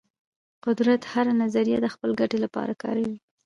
قدرت هره نظریه د خپل ګټې لپاره کاروي.